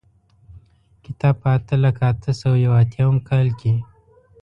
کتاب په اته لکه اته سوه یو اتیا کال کې.